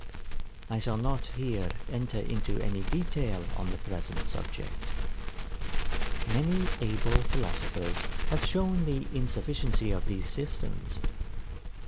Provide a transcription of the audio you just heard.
I shall not here enter into any detail on the present subject. Many able philosophers have shown the insufficiency of these systems.